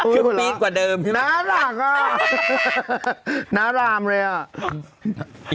พูดหรอน่ารักอะน่ารามเลยอะ